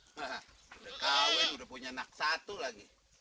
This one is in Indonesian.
udah kawin udah punya anak satu lagi